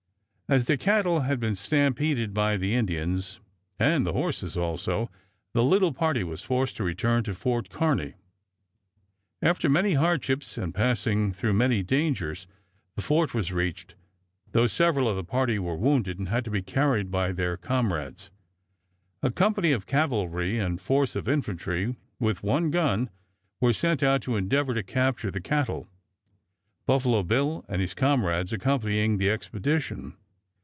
As the cattle had been stampeded by the Indians, and the horses also, the little party was forced to return to Fort Kearney. After many hardships and passing through many dangers, the fort was reached, though several of the party were wounded and had to be carried by their comrades. A company of cavalry and force of infantry, with one gun, were sent out to endeavor to capture the cattle, Buffalo Bill and his comrades accompanying the expedition.